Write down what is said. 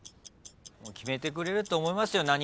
決めてくれると思いますよ